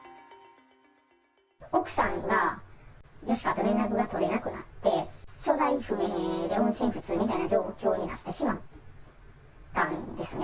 奥さんが、吉川と連絡が取れなくなって、所在不明で音信不通みたいな状況になってしまったんですね。